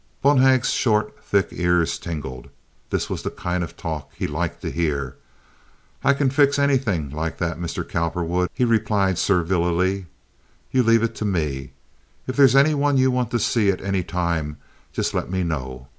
Bonhag's short, thick ears tingled. This was the kind of talk he liked to hear. "I can fix anything like that, Mr. Cowperwood," he replied, servilely. "You leave it to me. If there's any one you want to see at any time, just let me know.